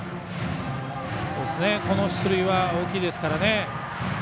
この出塁は大きいですからね。